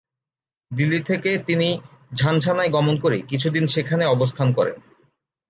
দিল্লি থেকে তিনি ঝানঝানায় গমন করে কিছুদিন সেখানে অবস্থান করেন।